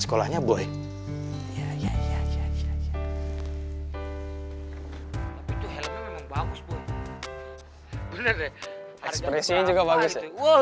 dia pake helm aja gak usah lepas